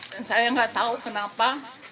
dan saya nggak tahu kenapa